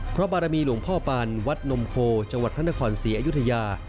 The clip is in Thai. บารมีหลวงพ่อปานวัดนมโพจังหวัดพระนครศรีอยุธยา